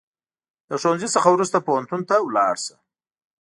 د ښوونځي څخه وروسته پوهنتون ته ولاړ سه